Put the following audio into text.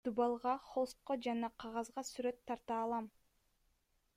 Дубалга, холстко жана кагазга сүрөт тарта алам.